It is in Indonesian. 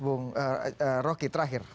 bung rocky terakhir